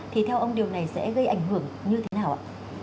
thì theo ông điều này sẽ gây ảnh hưởng như thế nào ạ